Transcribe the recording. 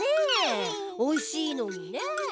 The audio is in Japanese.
おいしいのにねえ。